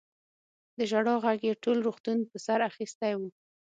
د ژړا غږ يې ټول روغتون په سر اخيستی و.